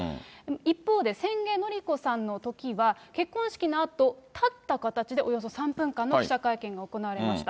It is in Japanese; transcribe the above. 一方で千家典子さんのときは結婚式のあと、立った形でおよそ３分間の記者会見が行われました。